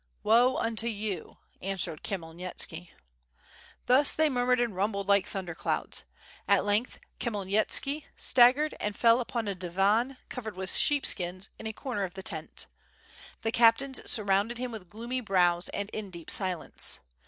"Woe unto you," answered Khmyelnitski. Thus they murmured and rumbled like thunder clouds. At length Khmyelnitski staggered and fell upon a divan covered with sheepskins in a comer of the tent. The cap tains surrounded him with gloomy brows and in deep silence.